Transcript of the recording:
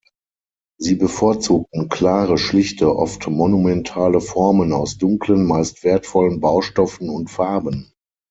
Sie bevorzugten klare, schlichte, oft monumentale Formen aus dunklen meist wertvollen Baustoffen und Farben.